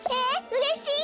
うれしい！